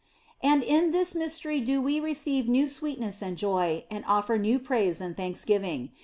And in this Mystery do they receive new sweetness and joy, and offer new praise and thanksgiving.